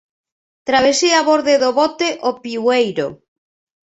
Travesía a bordo do bote O Piueiro.